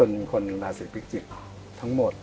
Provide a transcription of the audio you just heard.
อันนี้คนราศีพิจิกทั้งหมด